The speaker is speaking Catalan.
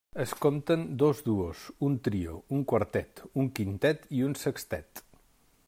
Es compten dos duos, un trio, un quartet, un quintet, i un sextet.